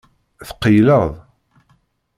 Tqeyyleḍ.